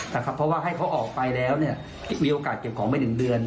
แต่ครับเพราะว่าให้เขาออกไปแล้วเนี่ยมีโอกาสเก็บของไม่หนึ่งเดือน